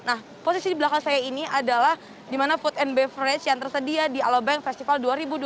nah posisi di belakang saya ini adalah di mana food and beverage yang tersedia di alobank festival dua ribu dua puluh